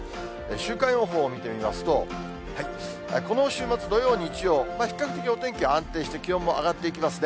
週間予報を見てみますと、この週末、土曜、日曜、比較的お天気安定して、気温も上がっていきますね。